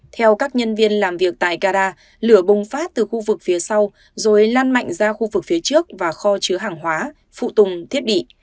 theo các nhân viên làm việc tại gara lửa bùng phát từ khu vực phía sau rồi lan mạnh ra khu vực phía trước và kho chứa hàng hóa phụ tùng thiết bị